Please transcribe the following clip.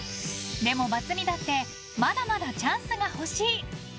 でも、バツ２だってまだまだチャンスが欲しい。